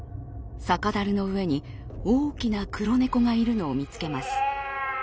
酒だるの上に大きな黒猫がいるのを見つけます。